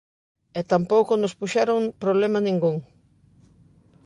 E tampouco nos puxeron problema ningún.